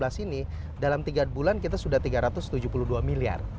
jadi dua ribu delapan belas ini dalam tiga bulan kita sudah tiga ratus tujuh puluh dua miliar